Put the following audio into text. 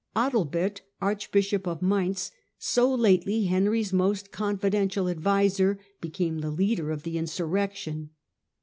Adalbert, archbishop of Mainz, so lately Henry's most confidential adviser, became the leader of insurrection.